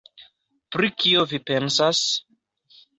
Pri kio vi pensas?